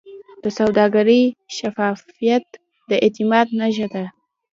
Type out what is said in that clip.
د سوداګرۍ شفافیت د اعتماد نښه ده.